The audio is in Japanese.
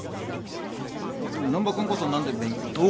難破君こそ何で勉強し